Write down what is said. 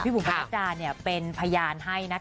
บุ๋มประนัดดาเป็นพยานให้นะคะ